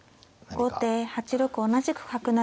後手８六同じく角成。